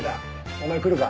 お前来るか？